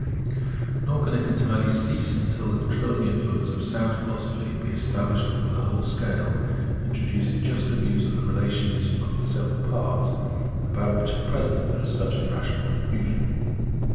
Nor can it entirely cease until the controlling influence of sound philosophy be established over the whole scale, introducing juster views of the relations of its several parts, about which at present there is such irrational confusion.